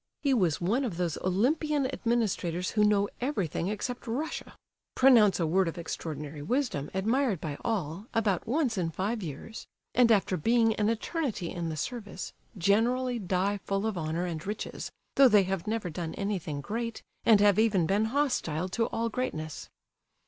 He was one of those Olympian administrators who know everything except Russia, pronounce a word of extraordinary wisdom, admired by all, about once in five years, and, after being an eternity in the service, generally die full of honour and riches, though they have never done anything great, and have even been hostile to all greatness.